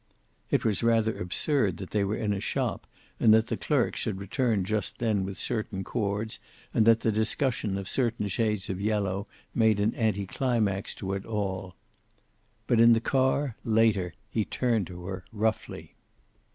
It was rather absurd that they were in a shop, and that the clerk should return just then with curtain cords, and that the discussion of certain shades of yellow made an anti climax to it all. But in the car, later, he turned to her, roughly.